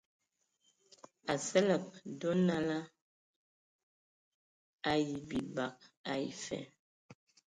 Asǝlǝg dɔ naa la ayi bibag ai fa.